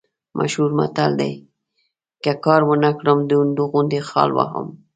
مشهور متل دی: که کار ونه کړم، د هندو غوندې خال وهم.